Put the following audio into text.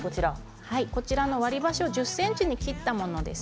割り箸を１０ｃｍに切ったものです。